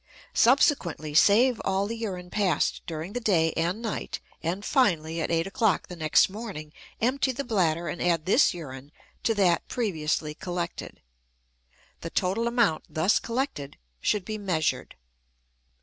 Subsequently, save all the urine passed during the day and night, and finally at 8 o'clock the next morning empty the bladder and add this urine to that previously collected. The total amount, thus collected, should be measured.